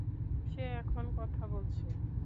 সে এখন কথা বলছে!